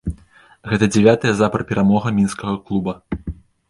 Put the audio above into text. Гэта дзявятая запар перамога мінскага клуба.